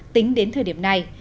tính đến thời điểm này